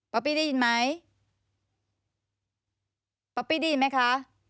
ปี้ได้ยินไหมป๊อปปี้ได้ยินไหมคะ